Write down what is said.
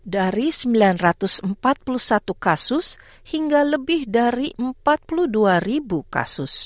dari sembilan ratus empat puluh satu kasus hingga lebih dari empat puluh dua kasus